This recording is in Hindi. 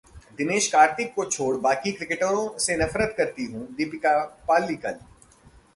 दिनेश कार्तिक को छोड़ बाकी क्रिकेटरों से नफरत करती हूं: दीपिका पल्लिकल